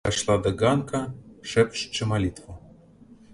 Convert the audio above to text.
Пайшла да ганка шэпчучы малітву.